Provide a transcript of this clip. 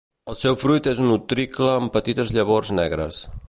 El seu fruit és un utricle amb petites llavors negres.